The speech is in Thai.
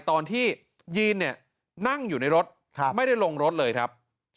ตอนที่ยีนเนี่ยนั่งอยู่ในรถไม่ได้ลงรถเลยครับ